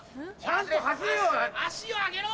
足を上げろ！